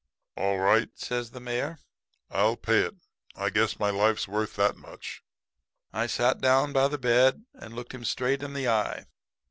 "'All right,' says the Mayor. 'I'll pay it. I guess my life's worth that much.' "I sat down by the bed and looked him straight in the eye.